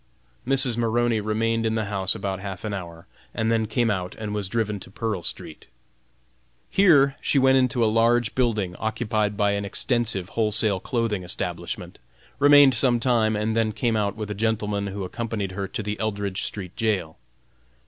Mrs. Maroney remained in the house about half an hour, and then came out and was driven to Pearl street. Here she went into a large building occupied by an extensive wholesale clothing establishment, remained some time, and then came out with a gentleman who accompanied her to the Eldridge street jail.